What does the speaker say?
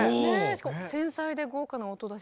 しかも繊細で豪華な音だし。